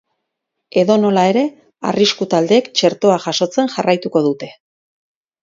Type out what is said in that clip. Edonola ere, arrisku taldeek txertoa jasotzen jarraituko dute.